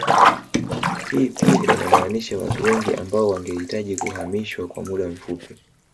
Hii pia inamaanisha watu wengi ambao wangehitaji kuhamishwa kwa muda mfupii